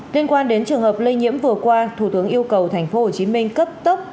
liên quan đến trường hợp lây nhiễm vừa qua thủ tướng yêu cầu tp hcm cấp tốc